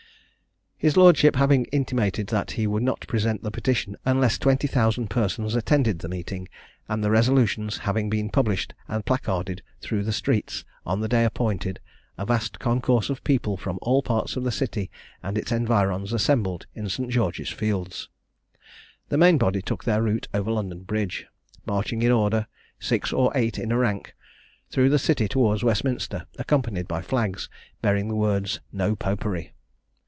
His lordship having intimated that he would not present the petition unless twenty thousand persons attended the meeting, and the resolutions having been published and placarded through the streets, on the day appointed a vast concourse of people from all parts of the City and its environs assembled in St. George's fields. The main body took their route over London bridge, marching in order, six or eight in a rank, through the City towards Westminster, accompanied by flags bearing the words "No Popery."